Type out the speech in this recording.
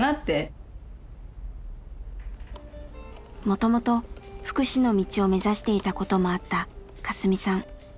もともと福祉の道を目指していたこともあったカスミさん。